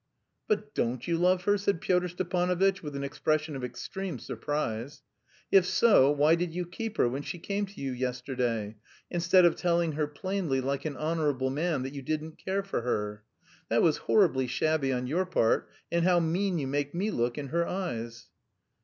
"But don't you love her?" said Pyotr Stepanovitch, with an expression of extreme surprise. "If so, why did you keep her when she came to you yesterday, instead of telling her plainly like an honourable man that you didn't care for her? That was horribly shabby on your part; and how mean you make me look in her eyes!"